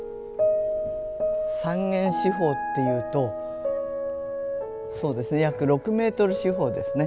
三間四方っていうとそうですね約６メートル四方ですね。